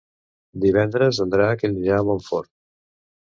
Divendres en Drac anirà a Montfort.